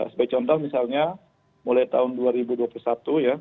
sebagai contoh misalnya mulai tahun dua ribu dua puluh satu ya